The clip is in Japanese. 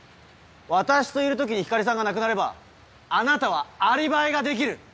私といる時に光莉さんが亡くなればあなたはアリバイが出来る！